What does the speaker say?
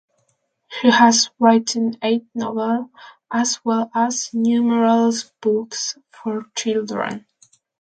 She has written eight novels as well as numerous books for children.